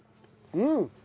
うん！